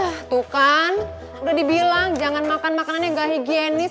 tuh kan udah dibilang jangan makan makanan yang gak higienis